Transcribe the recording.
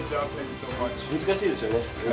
難しいですよね。